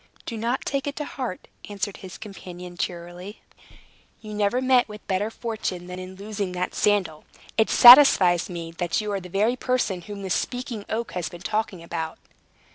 "Do not take it to heart," answered his companion cheerily. "You never met with better fortune than in losing that sandal. It satisfies me that you are the very person whom the Speaking Oak has been talking about."